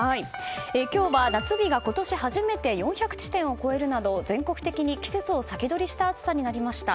今日は夏日が今年初めて４００地点を超えるなど全国的に季節を先取りした暑さになりました。